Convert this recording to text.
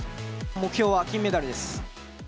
目標は金メダルです。